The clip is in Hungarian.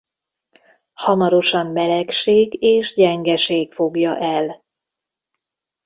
Hamarosan melegség és gyengeség fogja el.